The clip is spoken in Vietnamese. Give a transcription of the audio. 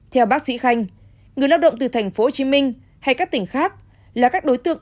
theo bác sĩ khanh người lao động từ tp hcm hay các tỉnh khác là các đối tượng